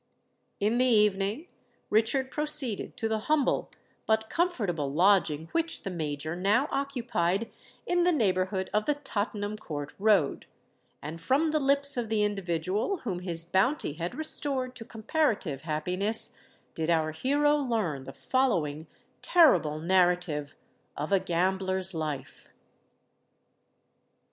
In the evening Richard proceeded to the humble but comfortable lodging which the Major now occupied in the neighbourhood of the Tottenham Court Road; and from the lips of the individual whom his bounty had restored to comparative happiness, did our hero learn the following terrible narrative of a Gambler's Life.